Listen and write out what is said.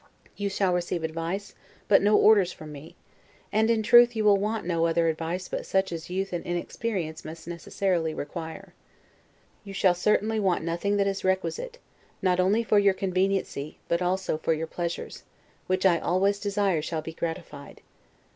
You shall receive advice, but no orders, from me; and in truth you will want no other advice but such as youth and inexperience must necessarily require. You shall certainly want nothing that is requisite, not only for your conveniency, but also for your pleasures; which I always desire shall be gratified.